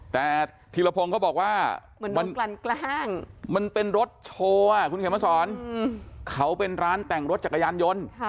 แต่ธีรพงธ์เขาบอกว่ามันเป็นรถโชว์อ่ะคุณเขมสอนเขาเป็นร้านแต่งรถจักรยานยนต์